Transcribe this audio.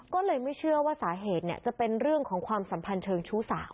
ก็เลยไม่เชื่อว่าสาเหตุจะเป็นเรื่องของความสัมพันธ์เชิงชู้สาว